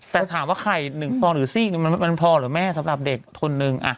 แต่ถามว่าไข่หนึ่งพอหรือสิ้งมันพอหรือไม่สำหรับเด็กคนหนึ่ง